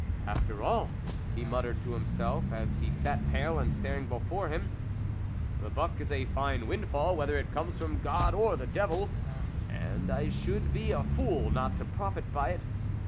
" After all," he muttered to himself, as he sat pale, and staring before him, " the buck is a fine windfall, whether it comes from God or the Devil, and I should be a fool not to profit by it.